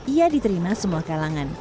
ia diterima semua kalangan